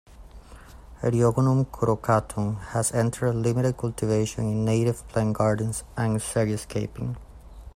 "Eriogonum crocatum" has entered limited cultivation in native plant gardens and xeriscaping.